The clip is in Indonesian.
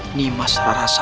ini masalah rasa